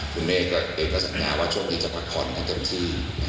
คุณเมกเป็นการสัญญาช่วงนี้จะประคลในเต้มที่